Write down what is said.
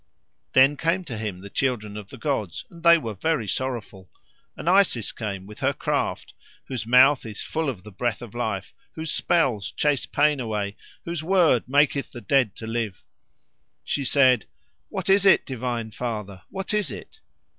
Then came to him the children of the gods, and they were very sorrowful. And Isis came with her craft, whose mouth is full of the breath of life, whose spells chase pain away, whose word maketh the dead to live. She said, "What is it, divine Father? what is it?"